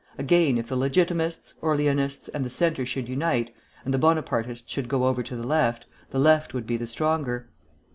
Again, if the Legitimists, Orleanists, and the Centre should unite, and the Bonapartists should go over to the Left, the Left would be the stronger.